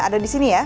ada di sini ya